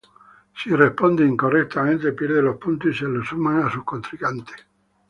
Si responde incorrectamente, pierde los puntos y se le suman a su contrincante.